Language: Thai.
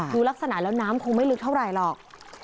ดูลักษณะแล้วน้ำคงไม่ลึกเท่าไหร่หรอก